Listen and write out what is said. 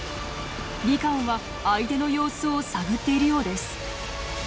リカオンは相手の様子を探っているようです。